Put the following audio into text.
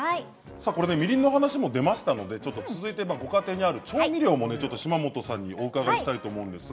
みりんの話が出ましたので続いてご家庭にある調味料も島本さんにお伺いしたいと思います。